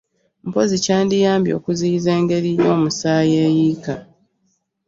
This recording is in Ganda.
Mpozzi kyandiyambye okuziyiza engezi y’omusaayi eyiika.